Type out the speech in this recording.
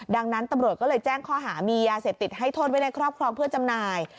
ดังนั้นตำรวจก็เลยแจ้งข้อหามียาเสพติดให้โทษไว้ในครอบครองเพื่อจำหน่าย